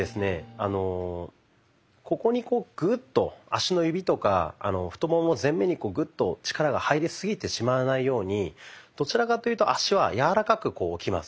あのここにグッと足の指とか太もも前面にグッと力が入りすぎてしまわないようにどちらかというと足は柔らかく置きます。